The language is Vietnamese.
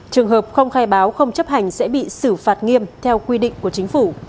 trường hợp không khai báo không chấp hành sẽ bị xử phạt nghiêm theo quy định của chính phủ